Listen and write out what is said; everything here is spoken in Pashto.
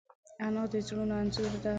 انا د زړونو انځور ده